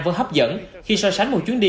vẫn hấp dẫn khi so sánh một chuyến đi